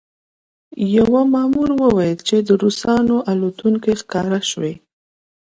یوه مامور وویل چې د روسانو الوتکې ښکاره شوې